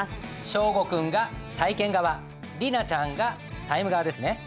祥伍君が債権側莉奈ちゃんが債務側ですね。